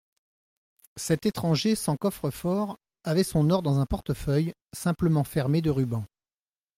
Cet étranger, sans coffre-fort, avait son or dans un portefeuille, simplement fermé de rubans.